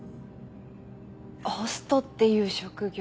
ホストっていう職業は。